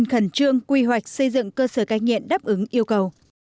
khẩn trương quy hoạch xây dựng cơ sở cai nghiện đáp ứng yêu cầu